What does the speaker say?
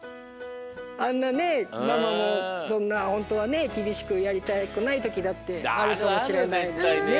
あんなねママもそんなホントはねきびしくやりたくないときだってあるかもしれないのにね。